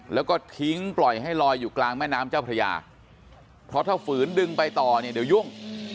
แล้วก็ทิ้งปล่อยให้ลอยอยู่กลางแม่น้ำเจ้าพระยาเพราะถ้าฝืนดึงไปต่อเนี่ยเดี๋ยวยุ่ง